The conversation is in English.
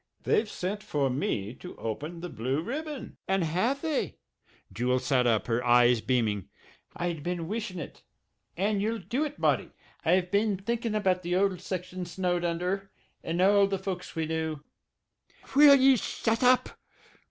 "They've sent for me to open the Blue Ribbon." "And have they?" Jewel sat up, her eyes beaming. "I'd been wishin' it and ye'll do it, Marty; I've been thinkin' about the old section snowed under and all the folks we knew " "Will ye shut up?"